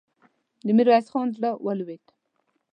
د ميرويس خان زړه ولوېد.